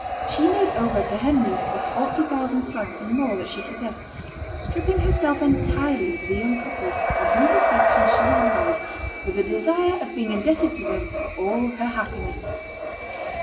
She made over to her niece the 40,000 francs and more, that she possessed, stripping herself entirely for the young couple, on whose affection she relied, with the desire of being indebted to them for all her happiness.